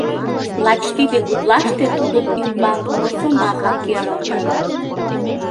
Лач тиде гутлаште тудын ӱмбак росомаха керылтын.